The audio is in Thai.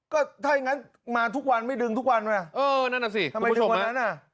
ก็ถ้าอย่างงั้นมาทุกวันไม่ดึงทุกวันไหมเออนั่นน่ะสิทำไมถึงวันนั้นอ่ะ